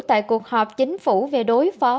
tại cuộc họp chính phủ về đối phó